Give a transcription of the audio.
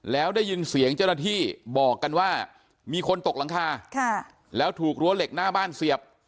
แล้วได้ยินเสียงเจ้าหน้าที่บอกกันว่ามีคนตกหลังคาแล้วถูกรั้วเหล็กหน้าบ้านเสียบ